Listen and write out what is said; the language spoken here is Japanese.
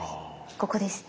ここですね。